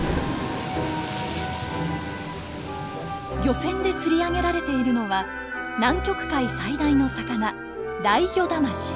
漁船で釣り上げられているのは南極海最大の魚ライギョダマシ。